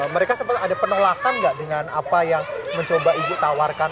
mereka sempat ada penolakan nggak dengan apa yang mencoba ibu tawarkan